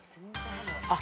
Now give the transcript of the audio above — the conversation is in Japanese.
あっ。